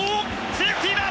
セーフティーだ！